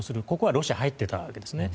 ここにロシアは入っていたんです。